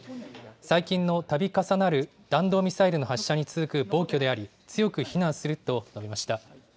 最近のたび重なる弾道ミサイルの発射に続く暴挙であり強く非難すると述べました。